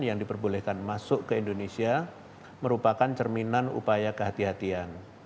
yang diperbolehkan masuk ke indonesia merupakan cerminan upaya kehatian